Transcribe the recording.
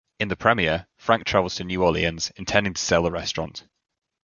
In the premiere, Frank travels to New Orleans intending to sell the restaurant.